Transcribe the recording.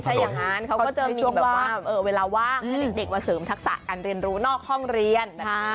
ใช่มีใช่อย่างนั้นเขาก็จะมีเวลาว่างให้เด็กมาเสริมทักษะการเรียนรู้นอกห้องเรียน